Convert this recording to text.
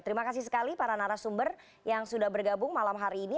terima kasih sekali para narasumber yang sudah bergabung malam hari ini